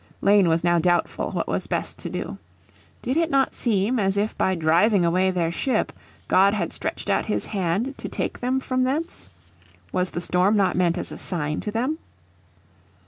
Lane was now doubtful what was best to do. Did it not seem as if by driving away their ship God had stretched out His hand to take them from thence? Was the storm not meant as a sign to them?